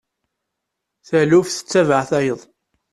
Taluft tettabaε tayeḍ.